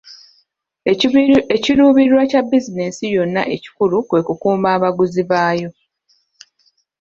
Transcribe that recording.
Ekiruubirirwa kya bizinensi yonna ekikulu kwe kukuuma abaguzi baayo.